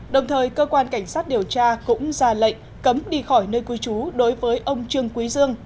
đồng thời cơ quan cảnh sát điều tra cũng ra lệnh cấm đi khỏi nơi cư trú đối với ông trương quý dương